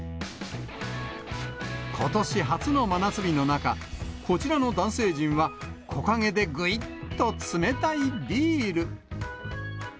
ことし初の真夏日の中、こちらの男性陣は、木陰でぐいっと冷たいビール。